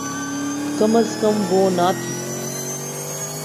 کم از کم وہ نہ تھی۔